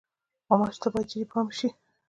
غوماشې ته باید جدي پام وشي.